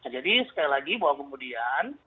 jadi sekali lagi bahwa kemudian